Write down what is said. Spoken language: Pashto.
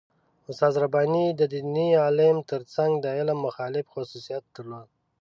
استاد رباني د دیني عالم تر څنګ د علم مخالف خصوصیت درلود.